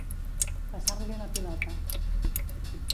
Passar-li la pilota.